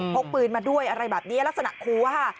กปืนมาด้วยอะไรแบบนี้ลักษณะคูอะค่ะ